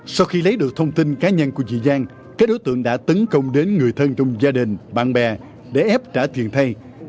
sau khi lấy được thông tin cá nhân của chị giang các đối tượng đã tấn công đến người thân trong gia đình bạn bè để ép trả tiền thay